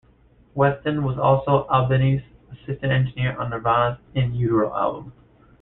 Weston was also Albini's Assistant Engineer on Nirvana's "In Utero" album.